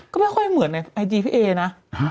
ก็ไม่ค่อยเหมือนในไอจีพี่เอนะ